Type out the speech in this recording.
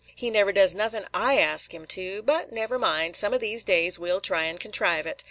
He never does nothin' I ask him to. But never mind; some of these days, we 'll try and contrive it.